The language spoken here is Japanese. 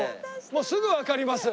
もうすぐわかります。